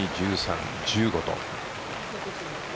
１２、１３、１５と。